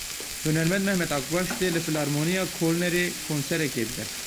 Hunermend Mehmet Akbaş dê li Filarmoniya Kolnerê konserekê bide.